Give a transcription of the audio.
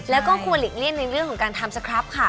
แล้วก็ควรหลีกเลี่ยงในเรื่องของการทำสครับค่ะ